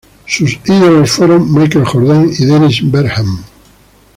Sus ídolos fueron Michael Jordan y Dennis Bergkamp.